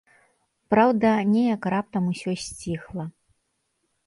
Праўда, неяк раптам усё сціхла.